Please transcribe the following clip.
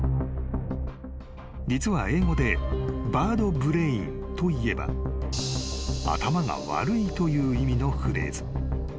［実は英語でバードブレインといえば頭が悪いという意味のフレーズ］